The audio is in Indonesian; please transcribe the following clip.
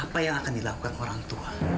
apa yang akan dilakukan orang tua